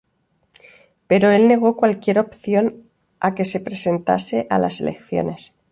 Pero el negó cualquier opción a que se presentase a las elecciones.